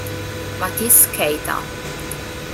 Mathis Keita